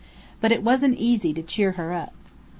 But it wasn't easy to cheer her up.